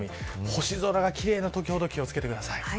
星空が奇麗なときほど気を付けてください。